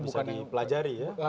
bisa dipelajari ya